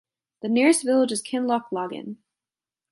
The nearest village is Kinloch Laggan.